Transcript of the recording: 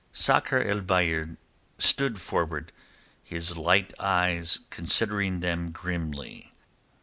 Sakr el Bahr stood forward, his light eyes considering them grimly.